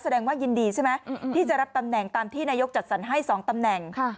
แสดงว่ายินดีใช่ไหมที่จะรับตำแหน่งตามที่นายกจัดสรรให้๒ตำแหน่ง